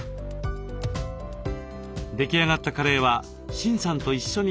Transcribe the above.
出来上がったカレーはシンさんと一緒に頂きます。